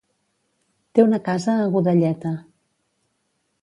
Té una casa a Godelleta.